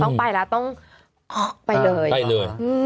ต้องไปแล้วต้องออกไปเลย